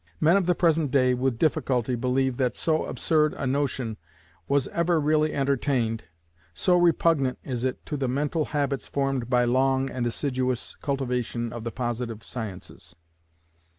Men of the present day with difficulty believe that so absurd a notion was ever really entertained, so repugnant is it to the mental habits formed by long and assiduous cultivation of the positive sciences.